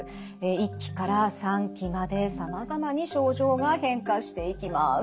１期から３期までさまざまに症状が変化していきます。